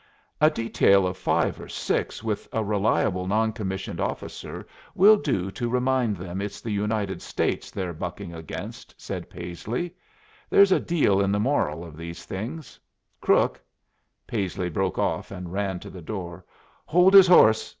"A detail of five or six with a reliable non commissioned officer will do to remind them it's the United States they're bucking against," said Paisley. "There's a deal in the moral of these things. Crook " Paisley broke off and ran to the door. "Hold his horse!"